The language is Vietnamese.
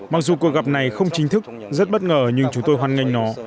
mặc dù cuộc gặp này không chính thức rất bất ngờ nhưng chúng tôi hoan nghênh nó